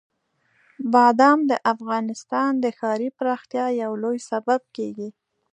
بادام د افغانستان د ښاري پراختیا یو لوی سبب کېږي.